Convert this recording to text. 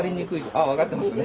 あっ分かってますね。